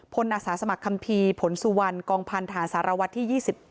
พลนัสสมัครคัมภีร์ผลสุวรรณกองพันธานสารวัฒน์ที่๒๑